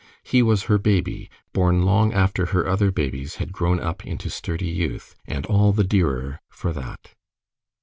He was her baby, born long after her other babies had grown up into sturdy youth, and all the dearer for that.